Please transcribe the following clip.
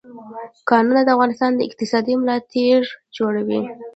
کانونه د افغانستان د اقتصاد ملا تیر جوړوي.